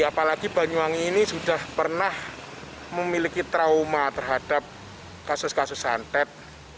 apalagi banyuwangi ini sudah pernah memiliki trauma terhadap kasus kasus santet